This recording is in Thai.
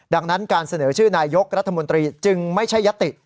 ดังนั้นการเสนอชื่อนายกรัฐมนตรีจึงไม่ใช่ยติ